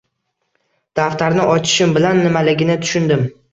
Daftarni ochishim bilan nimaligini tushundim